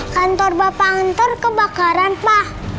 kantor bapak anter kebakaran pak